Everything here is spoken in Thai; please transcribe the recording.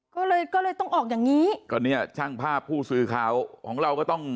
ก็เลยก็เลยต้องออกอย่างงี้ก็เนี่ยช่างภาพผู้สื่อข่าวของเราก็ต้อง